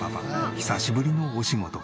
久しぶりのお仕事。